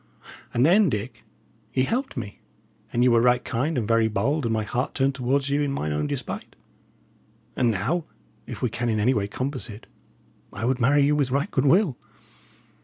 And then, Dick, ye helped me, and ye were right kind, and very bold, and my heart turned towards you in mine own despite; and now, if we can in any way compass it, I would marry you with right goodwill.